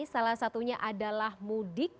salah satunya adalah mudik